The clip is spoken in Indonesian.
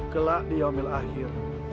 gelak di omel akhir